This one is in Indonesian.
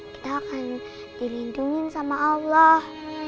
kita akan dilindungi sama allah